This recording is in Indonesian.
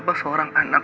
betapa seorang anak